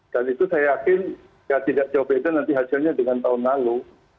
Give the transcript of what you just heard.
dan itu saya yakin tidak jauh beda nanti hasilnya dengan tahun lalu